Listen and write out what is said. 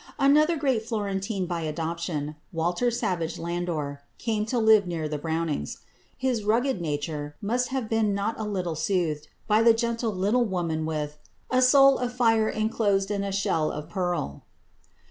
Another great Florentine by adoption, =Walter Savage Landor (1775 1864)=, came to live near the Brownings. His rugged nature must have been not a little soothed by the gentle little woman with "a soul of fire enclosed in a shell of pearl."